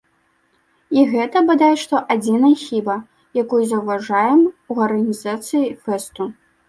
І гэта, бадай што, адзінай хіба, якую заўважаем у арганізацыі фэсту.